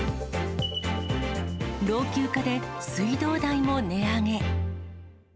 老朽化で水道代も値上げ。